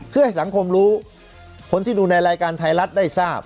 เพื่อให้สังคมรู้คนที่ดูในรายการไทยรัฐได้ทราบ